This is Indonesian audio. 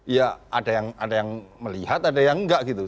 ya ada yang melihat ada yang enggak gitu